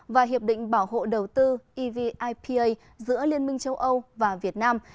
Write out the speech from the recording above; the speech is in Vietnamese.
và hiệp định bảo hộ đầu tư evipa giữa liên minh châu âu và việt nam